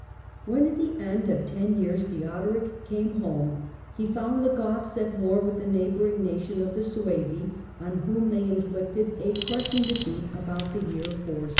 When, at the end of ten years, Theodoric came home, Theodoric le found the Goths at war with the neighbouring nation theGoths jf the Suevi, on whom they inflicted a crushing defeat ibout the year 470.